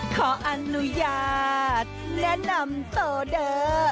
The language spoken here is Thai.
ขออนุญาตแนะนำโตเดอร์